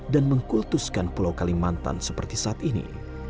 dan mengkultuskan pulau kalimantan seperti saat ini